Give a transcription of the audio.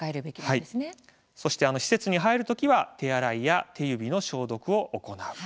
そして施設に入る時には手洗いや手指の消毒を行う。